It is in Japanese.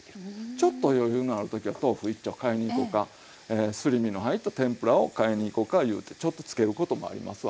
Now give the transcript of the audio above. ちょっと余裕のある時は豆腐一丁買いにいこかすり身の入った天ぷらを買いにいこかいうてちょっとつけることもありますわ。